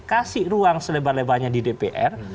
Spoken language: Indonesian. kasih ruang selebar lebarnya di dpr